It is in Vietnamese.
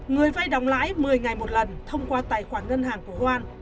người vai đóng lãi một mươi ngày một lần thông qua tài khoản ngân hàng của oan